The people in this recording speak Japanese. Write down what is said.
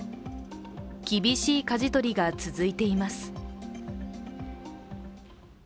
厳しいかじ取りが続いています。